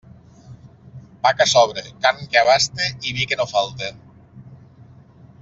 Pa que sobre, carn que abaste i vi que no falte.